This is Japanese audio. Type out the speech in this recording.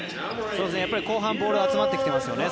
後半ボールが集まってきてますよね